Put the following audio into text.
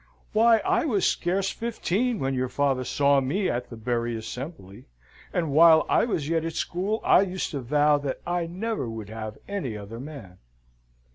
Why, I was scarce fifteen when your father saw me at the Bury Assembly, and while I was yet at school, I used to vow that I never would have any other man.